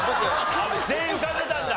全員浮かんでたんだ！